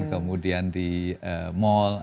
kemudian di mall